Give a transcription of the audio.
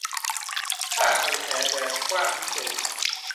ผ้าพันแผลแบบกว้างพิเศษ